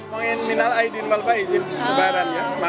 bapak ingin mengucapkan permintaan kepadanya